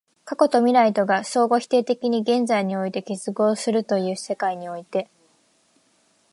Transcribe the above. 過去と未来とが相互否定的に現在において結合するという世界において、